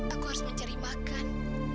aku harus mencari makan